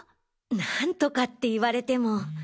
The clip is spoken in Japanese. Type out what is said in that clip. なんとかって言われても。